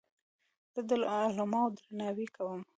زه د علماوو درناوی کوم.